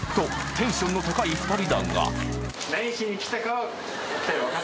テンションの高い２人だが］